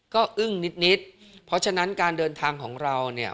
ก็อึ้งนิดเพราะฉะนั้นการเดินทางของเราเนี่ย